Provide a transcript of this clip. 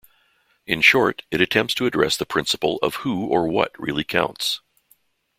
In short, it attempts to address the principle of who or what really counts.